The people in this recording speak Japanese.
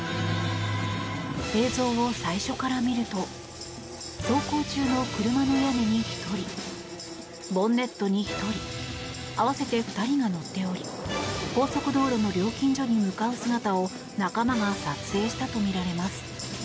映像を最初から見ると走行中の車の屋根に１人ボンネットに１人合わせて２人が乗っており高速道路の料金所に向かう姿を仲間が撮影したとみられます。